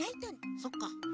そっか。